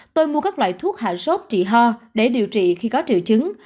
tôi mua các loại thuốc hạ sốt trị ho để điều trị khi có triệu chứng